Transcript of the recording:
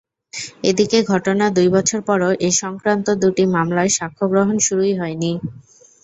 এদিকে ঘটনার দুই বছর পরও এ-সংক্রান্ত দুটি মামলার সাক্ষ্য গ্রহণ শুরুই হয়নি।